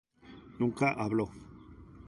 Nunca hablo.